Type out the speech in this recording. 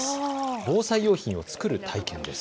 防災用品を作る体験です。